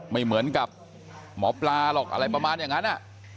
ไม่เหมือนกับหมอปลาหรอกอะไรประมาณอย่างนั้น